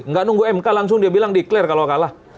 nggak nunggu mk langsung dia bilang declare kalau kalah